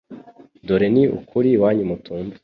Dore ni ukuri iwanyu mutumva